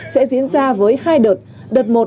sẽ diễn ra với hai đợt